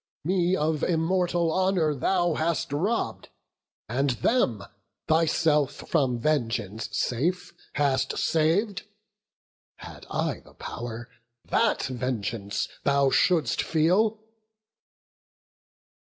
Me of immortal honour thou hast robb'd, And them, thyself from vengeance safe, hast sav'd. Had I the pow'r, that vengeance thou shouldst feel."